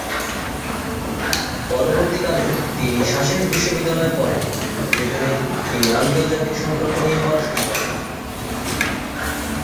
পরবর্তীকালে তিনি সাসেক্স বিশ্ববিদ্যালয়ে পড়েন, যেখানে তিনি আন্তর্জাতিক সম্পর্ক নিয়ে পড়াশোনা করেন।